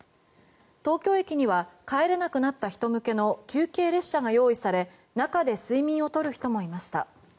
東京駅には帰れなくなった人向けの休憩列車が用意され中で睡眠を取る人もいました。